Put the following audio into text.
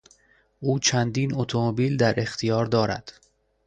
او چندین اتومبیل در اختیار دارد.